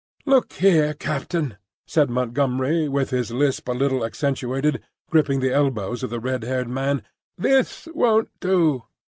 "Look here, Captain," said Montgomery, with his lisp a little accentuated, gripping the elbows of the red haired man, "this won't do!"